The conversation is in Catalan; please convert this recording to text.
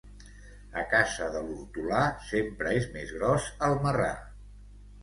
A casa de l'hortolà sempre és més gros el marrà.